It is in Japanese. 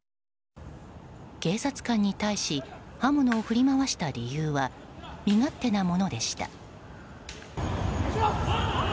警察官に対し刃物を振り回した理由は身勝手なものでした。